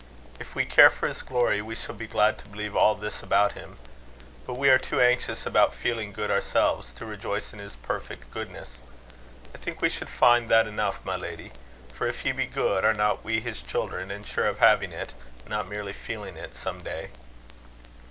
If we care for his glory, we shall be glad to believe all this about him. But we are too anxious about feeling good ourselves, to rejoice in his perfect goodness. I think we should find that enough, my lady. For, if he be good, are not we his children, and sure of having it, not merely feeling it, some day?"